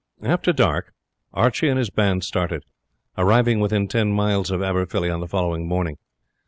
After dark Archie and his band started, and arrived within ten miles of Aberfilly on the following morning.